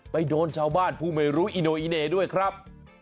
โดนชาวบ้านผู้ไม่รู้อิโนอิเน่ด้วยครับ